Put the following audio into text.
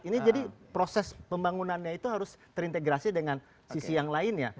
ini jadi proses pembangunannya itu harus terintegrasi dengan sisi yang lainnya